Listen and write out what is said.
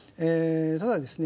ただですね